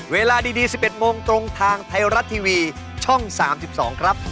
เวลาดี๑๑โมงตรงทางไทยรัฐทีวีช่อง๓๒ครับ